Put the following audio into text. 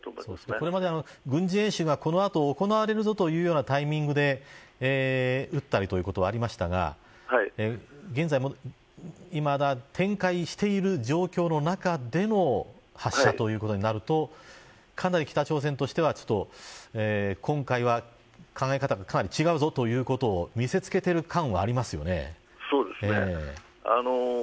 これまで、軍事演習がこの後行われるぞというタイミングで撃ったりということはありましたが現在、いまだ展開している状況の中での発射ということになるとかなり北朝鮮としては今回は考え方がかなり違うぞということを見せつけている感はありますよね。